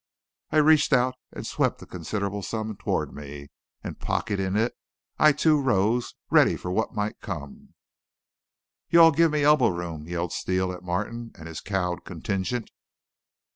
I reached out and swept the considerable sum toward me, and, pocketing it, I too rose, ready for what might come. "You all give me elbow room!" yelled Steele at Martin and his cowed contingent.